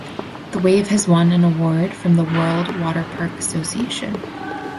The Wave has won an award from the World Waterpark Association.